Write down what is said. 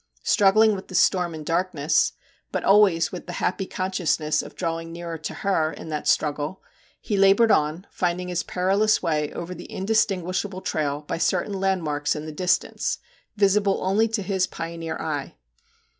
Struggling with the storm and darkness, but always with the happy consciousness of drawing nearer to her in that struggle, he laboured on, finding his perilous way over the indistinguishable trail by certain land marks in the distance, visible only to his pioneer eye.